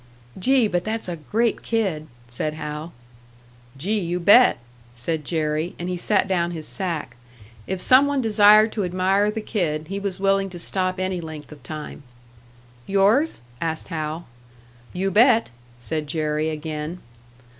"Gee, but that's a great kid!" said Hal. "Gee, you bet!" said Jerry; and he set down his sack. If some one desired to admire the kid, he was willing to stop any length of time. "Yours?" asked Hal. "You bet!" said Jerry, again.